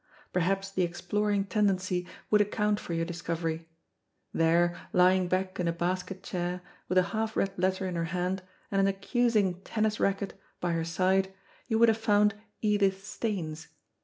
Perhaps the exploring tendency would account for your discovery. There, lying back in a basket chair, with a half read letter in her hand, and an accusing tennis racquet by her side, you would have found Edith Staines.